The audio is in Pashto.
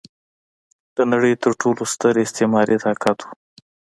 د نړۍ تر ټولو ستر استعماري طاقت و.